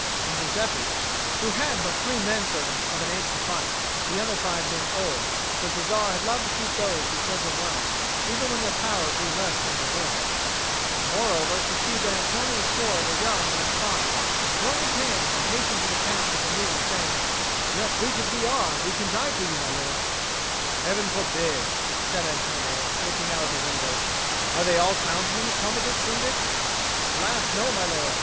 And Giuseppe, who had but three men servants of an age to fight, the other five being old (for Cesare had loved to keep those who served him well, even when their power grew less than their will), and moreover perceived that Antonio's four were young and untried, wrung his hands and hastened to the Count with the news, saying, "Yet weak as we are, we can die for you, my lord." "Heaven forbid!" said Antonio, looking out of the window. "Are they all townsmen that come with this Syndic?" "Alas, no, my lord.